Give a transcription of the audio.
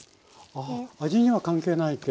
ああ味には関係ないけども。